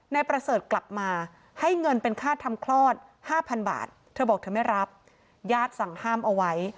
นายประเสริฐกลับมาให้เงินเป็นค่าทำคลอด๕๐๐บาทเธอบอกเธอไม่รับญาติสั่งห้ามเอาไว้